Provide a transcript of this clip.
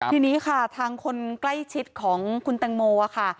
ทีนี้ค่ะทางคนใกล้ชิดของคุณแตงโมค่ะ